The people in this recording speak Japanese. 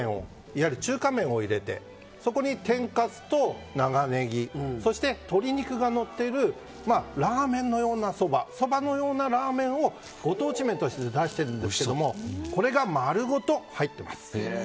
いわゆる中華麺を入れてそこに天かすと長ネギそして、鶏肉が乗っているラーメンのようなそばそばのようなラーメンをご当地麺として出しているんですがこれが丸ごと入ってます。